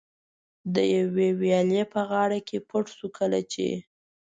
د یوې ویالې په غاړه کې پټ شو، کله چې.